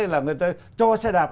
là người ta cho xe đạp